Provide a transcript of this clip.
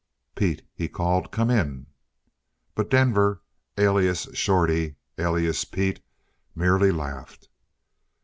"Pete!" he called. "Come in!" But Denver, alias Shorty, alias Pete, merely laughed.